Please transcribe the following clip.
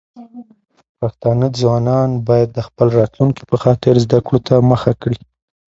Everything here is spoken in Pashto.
پښتانه ځوانان بايد د خپل راتلونکي په خاطر زده کړو ته مخه کړي.